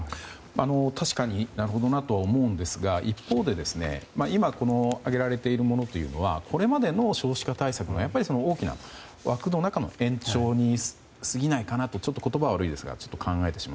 確かになるほどなとは思うんですが一方で今挙げられているものというのはこれまでの少子化対策のやっぱり、大きな枠の中の延長に過ぎないかなとちょっと言葉は悪いですが考えてしまう。